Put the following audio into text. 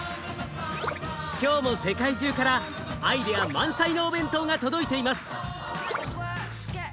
今日も世界中からアイデア満載のお弁当が届いています。